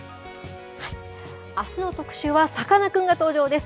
あすの特集はさかなクンが登場です。